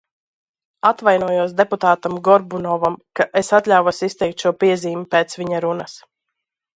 Atvainojos deputātam Gorbunovam, ka es atļāvos izteikt šo piezīmi pēc viņa runas.